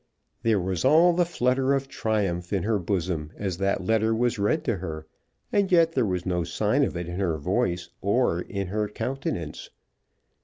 There was all the flutter of triumph in her bosom, as that letter was read to her, and yet there was no sign of it in her voice or in her countenance.